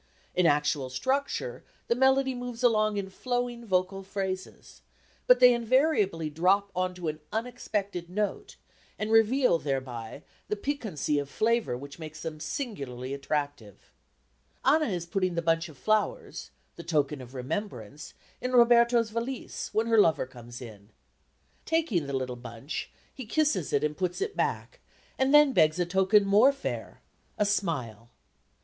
In actual structure the melody moves along in flowing vocal phrases, but they invariably drop on to an unexpected note and reveal thereby that piquancy of flavour which makes them singularly attractive. Anna is putting the bunch of flowers, the token of remembrance, in Roberto's valise when her lover comes in. Taking the little bunch he kisses it and puts it back, and then begs a token more fair a smile.